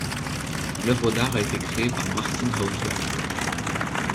L'œuvre d'art a été créé par Martin Häusler.